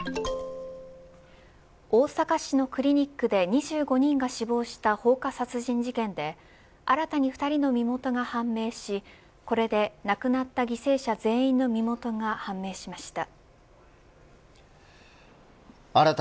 大阪市のクリニックで２５人が死亡した放火殺人事件で新たに２人の身元が判明しこれで、亡くなった犠牲者全員の身元が判明しました。